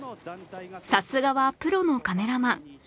さすがはプロのカメラマン